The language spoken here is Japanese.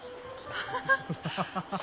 ハハハハ。